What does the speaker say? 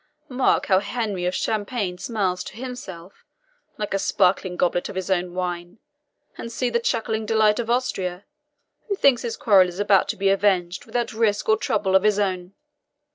Mark how Henry of Champagne smiles to himself, like a sparkling goblet of his own wine; and see the chuckling delight of Austria, who thinks his quarrel is about to be avenged without risk or trouble of his own.